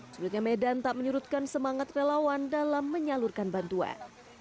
sebenarnya medan tak menyerutkan semangat relawan dalam menyalurkan bantuan